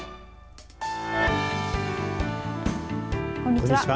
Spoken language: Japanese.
こんにちは。